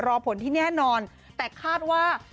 รอผลที่แน่นอนแต่คาดว่า